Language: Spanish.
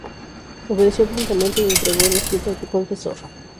Obedeció prontamente y entregó el escrito al confesor.